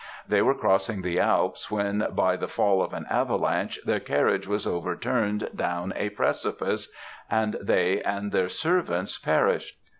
They were crossing the Alps, when by the fall of an avalanche their carriage was overturned down a precipice, and they and their servants perished.